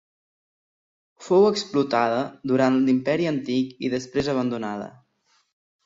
Fou explotada durant l'imperi Antic i després abandonada.